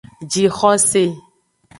Jixose.